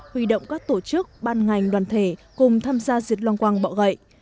huy động các tổ chức ban ngành đoàn thể cùng tham gia diệt long quăng bọ gậy